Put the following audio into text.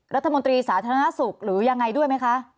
รัฐมนตรีสาธารณสุขหรือยังไงด้วยไหมคะ